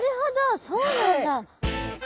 そうなんだ。